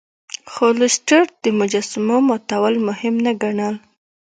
خو لیسټرډ د مجسمو ماتول مهم نه ګڼل.